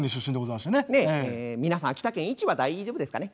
皆さん秋田県位置は大丈夫ですかね？